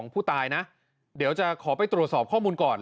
ผู้ตายนะเดี๋ยวจะขอไปตรวจสอบข้อมูลก่อน